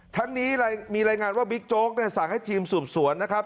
ทั้งนี้มีรายงานว่าบิ๊กโจ๊กสั่งให้ทีมสืบสวนนะครับ